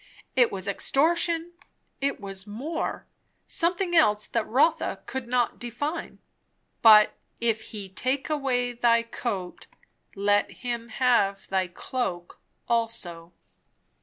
it was extortion! it was more, something else that Rotha could not define. Yes, true, but "if he take away thy coat, let him have thy cloak also."